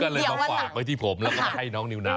ก็เลยมาฝากไว้ที่ผมแล้วก็มาให้น้องนิวนาว